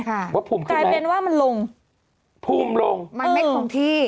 ว่าภูมิคือไงภูมิลงมันไม่ตรงที่